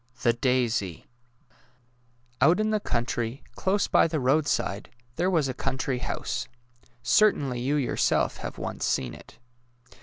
THE DAISY Out in the country, close by the roadside, there was a country house. Certainly you yourself have once seen it.